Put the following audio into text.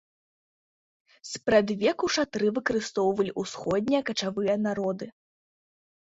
Спрадвеку шатры выкарыстоўвалі ўсходнія качавыя народы.